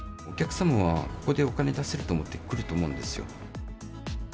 お客様は、ここでお金出せると思って来ると思うんですよ。